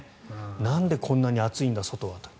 なんでこんなに暑いんだ、外はと。